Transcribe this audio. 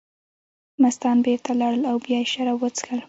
مستان بېرته لاړل او بیا یې شراب وڅښل.